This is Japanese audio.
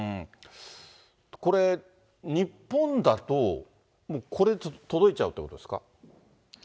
これ、日本だともうこれちょっと届いちゃうということですか。